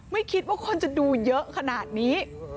ไม่คิดว่าคนจะดูเยอะขนาดนี้